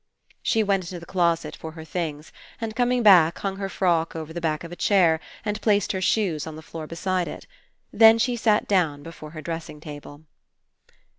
She went into the closet for her things and, coming back, hung her frock over the back of a chair and placed her shoes on the floor beside it. Then she sat down before her dressing table.